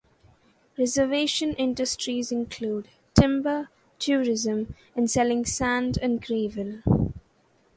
Reservation industries include timber, tourism, and selling sand and gravel.